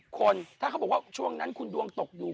คนถ้าเขาบอกว่าช่วงนั้นคุณดวงตกอยู่